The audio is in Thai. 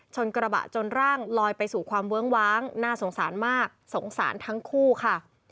กระบะจนร่างลอยไปสู่ความเวิ้งว้างน่าสงสารมากสงสารทั้งคู่ค่ะ